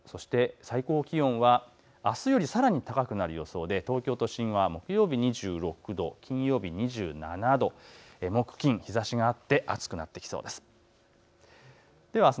最高気温はあすよりさらに高くなる予想で東京都心は木曜日２６度、金曜日２７度、木金、日ざしがあって暑くなってきそうです。